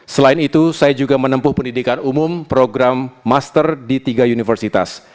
selain itu saya juga menempuh pendidikan umum program master di tiga universitas